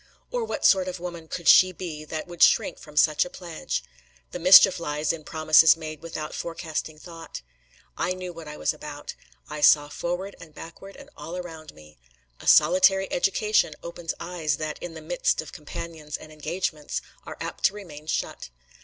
Or what sort of woman could she be that would shrink from such a pledge! The mischief lies in promises made without forecasting thought. I knew what I was about. I saw forward and backward and all around me. A solitary education opens eyes that, in the midst of companions and engagements, are apt to remain shut.